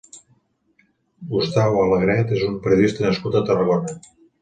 Gustau Alegret és un periodista nascut a Tarragona.